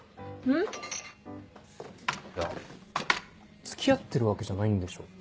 ん？いや付き合ってるわけじゃないんでしょ？